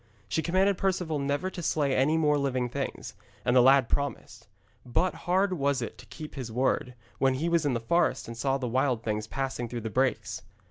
She commanded Perceval never to slay any more living things, and the lad promised. But hard was it to keep his word, when he was in the forest and saw the wild things passing through the brakes.